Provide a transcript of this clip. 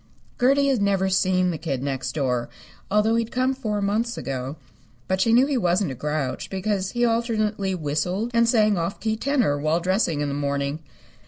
Gertie had never seen the Kid Next Door, although he had come four months ago. But she knew he wasn't a grouch, because he alternately whistled and sang off key tenor while dressing in the morning.